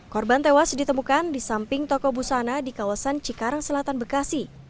korban tewas ditemukan di samping toko busana di kawasan cikarang selatan bekasi